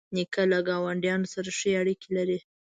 نیکه له ګاونډیانو سره ښې اړیکې لري.